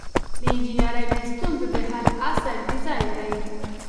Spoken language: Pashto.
د انجنیری د ستونزو د حل اصل ډیزاین دی.